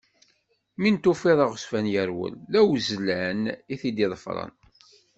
Mi n-tufiḍ aɣezzfan yerwel, d awezzlan i t-id-iḍefren.